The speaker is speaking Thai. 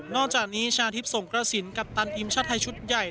จากนี้ชาทิพย์ส่งกระสินกัปตันทีมชาติไทยชุดใหญ่